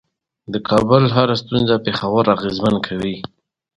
بايد سم او په نوي بڼه وړاندې کړل شي